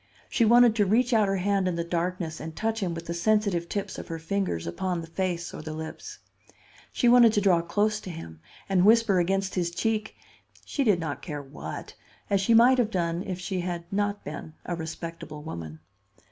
She wanted to reach out her hand in the darkness and touch him with the sensitive tips of her fingers upon the face or the lips. She wanted to draw close to him and whisper against his cheek—she did not care what—as she might have done if she had not been a respectable woman.